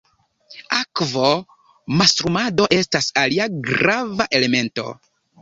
Akvo-mastrumado estas alia grava elemento.